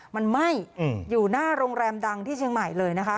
มันไหม้อยู่หน้าโรงแรมดังที่เชียงใหม่เลยนะคะ